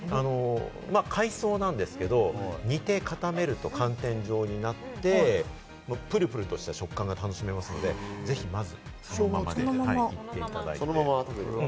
海藻なんですけれども、煮て固めると寒天状になってプルプルとした食感が楽しめますのでぜひ、まずそのままで。